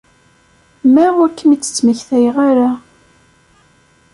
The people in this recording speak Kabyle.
Ma ur kem-id-ttmektayeɣ ara.